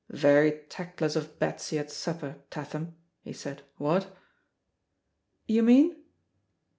"Very tactless of Betsy at supper, Tatham," he said, "what?" "You mean